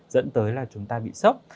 dẫn tới là chúng ta bị sốc